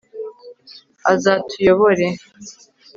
azatuyobore